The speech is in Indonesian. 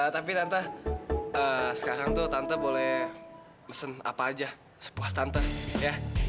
tapi tante sekarang tuh tante boleh mesen apa aja sepuas tante ya